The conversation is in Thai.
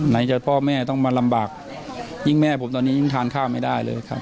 ไหนจะพ่อแม่ต้องมาลำบากยิ่งแม่ผมตอนนี้ยิ่งทานข้าวไม่ได้เลยครับ